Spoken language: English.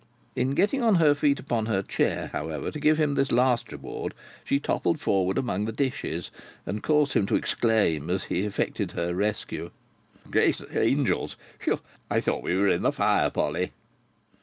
In getting on her feet upon her chair, however, to give him this last reward, she toppled forward among the dishes, and caused him to exclaim as he effected her rescue: "Gracious Angels! Whew! I thought we were in the fire, Polly!"